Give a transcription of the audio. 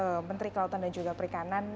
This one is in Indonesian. terima kasih pak menteri kelautan dan juga perikanan